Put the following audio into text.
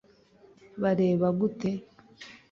bareba gute